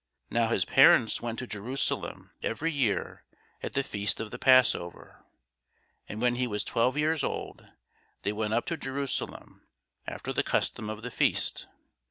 Now his parents went to Jerusalem every year at the feast of the passover. And when he was twelve years old, they went up to Jerusalem after the custom of the feast.